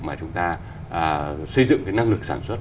mà chúng ta xây dựng cái năng lực sản xuất